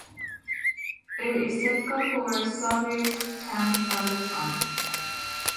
It is typical for Soviet tanks at the time.